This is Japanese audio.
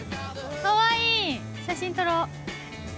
かわいい、写真撮ろ。